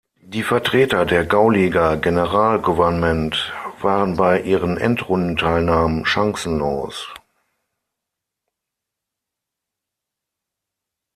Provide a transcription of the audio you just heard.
Die Vertreter der Gauliga Generalgouvernement waren bei ihren Endrundenteilnahmen chancenlos.